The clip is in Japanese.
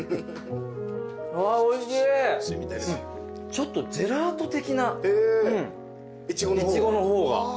ちょっとジェラート的ないちごの方が。